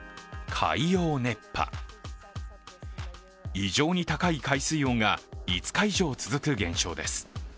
異常に高い海水温が５日以上続く現象です。